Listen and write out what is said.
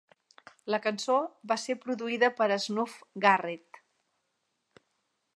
La cançó va ser produïda per Snuff Garrett.